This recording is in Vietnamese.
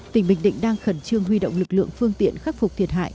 tỉnh bình định đang khẩn trương huy động lực lượng phương tiện khắc phục thiệt hại